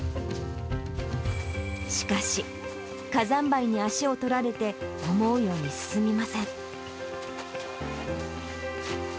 しかし、火山灰に足を取られて、思うように進みません。